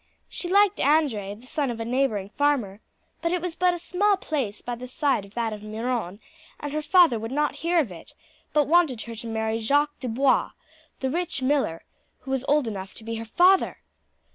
She liked Andre, the son of a neighbouring farmer, but it was but a small place by the side of that of Miron, and her father would not hear of it, but wanted her to marry Jacques Dubois, the rich miller, who was old enough to be her father.